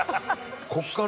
「ここから？」